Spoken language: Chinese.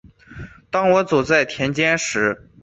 当我走在田间的时候